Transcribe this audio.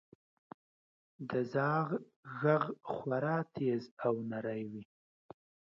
• د زاغ ږغ خورا تیز او نری وي.